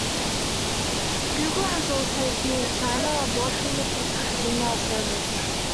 Google has also accused China of blocking its Gmail service.